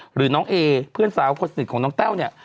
หรือน้องเอเพื่อนสาวคนสนิทของน้องแต้วเนี่ย